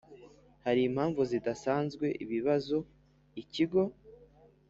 Hari impamvu zidasanzwe ibibazo ikigo